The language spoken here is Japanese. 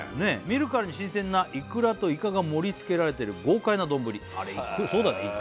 見るからに新鮮なイクラといかが盛り付けられてる豪快な丼そうだね